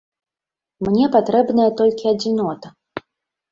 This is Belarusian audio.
Мне патрэбная толькі адзінота.